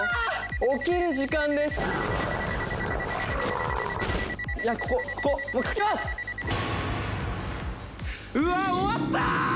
起きる時間ですうわ終わった！